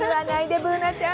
Ｂｏｏｎａちゃん。